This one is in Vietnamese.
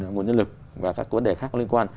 nguồn nhân lực và các vấn đề khác có liên quan